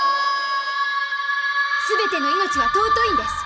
すべての命は尊いんです！